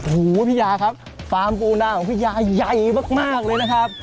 หู้พี่ยาครับปล่ำปูหน้าของพี่ยายมากเลยนะครับ